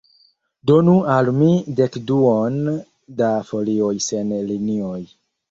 Donu al mi dekduon da folioj sen linioj.